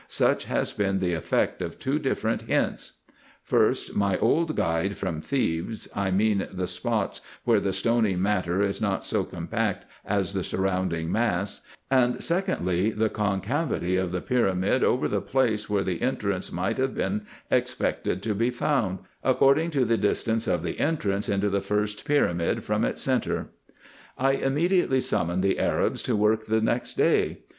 Such has been the effect of two different hints ; first my old guide from Thebes, I mean the spots where the stony matter is not so compact as the surrounding mass ; and, secondly, the concavity of the pyra mid over the place where the entrance might have been expected to be found, according to the distance of the entrance into the first pyramid from its centre. I immediately summoned the Arabs to work the next day.